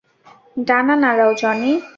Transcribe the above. ডানা নাড়াও, জনি!